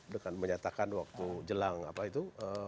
dengan menyatakan waktu jelang apa itu